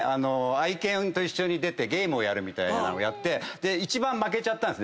愛犬と一緒に出てゲームをやるみたいなのをやって一番。